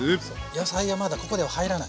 野菜はまだここでは入らない。